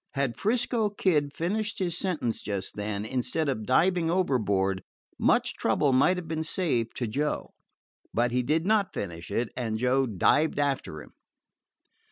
Had 'Frisco Kid finished his sentence just then, instead of diving overboard, much trouble might have been saved to Joe. But he did not finish it, and Joe dived after him.